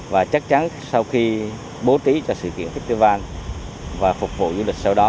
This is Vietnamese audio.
và chắc chắn sau khi bố trí cho sự kiện festival và phục vụ du lịch sau đó